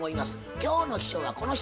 今日の秘書はこの人。